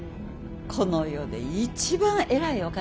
この世で一番偉いお方です。